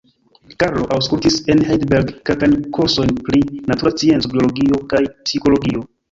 Karlo aŭskultis en Heidelberg kelkajn kursojn pri natura scienco, biologio kaj psikologio.